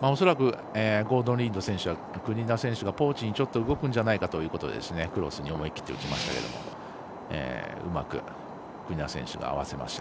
恐らくゴードン・リード選手は国枝選手がポーチに動くんじゃないかっていうことでクロスに思い切って打ちましたけどうまく合わせました。